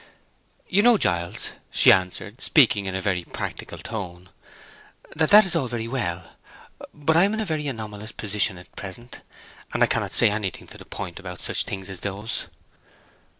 "You know, Giles," she answered, speaking in a very practical tone, "that that is all very well; but I am in a very anomalous position at present, and I cannot say anything to the point about such things as those."